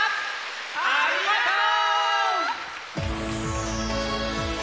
ありがとう！